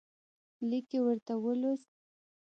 لیک یې ورته ولوست.